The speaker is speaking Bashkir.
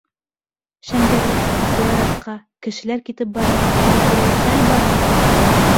Шәңгәрәй, зыяратҡа... кешеләр китеп бара, әллә берәй... хәл бармы?